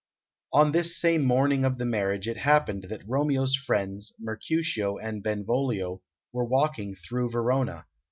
On this same morning of the marriage it happened that Romeo's friends, Mercutio and Benvolio, were walking through Verona.